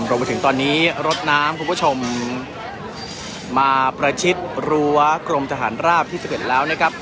รวมไปถึงตอนนี้รถน้ำคุณผู้ชมมาประชิดรั้วกรมทหารราบที่๑๑แล้วนะครับ